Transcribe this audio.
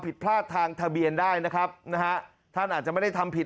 ผิดพลาดทางทะเบียนได้นะครับนะฮะท่านอาจจะไม่ได้ทำผิด